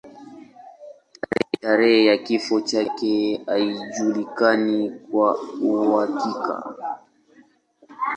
Tarehe ya kifo chake haijulikani kwa uhakika.